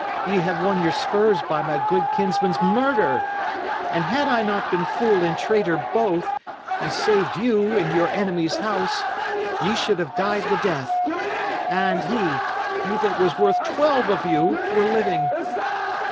Y' have won your spurs by my good kinsman's murder. And had I not been fool and traitor both, and saved you in your enemy's house, ye should have died the death, and he he that was worth twelve of you were living."